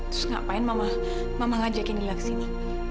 terus ngapain mama ngajakin lila ke sini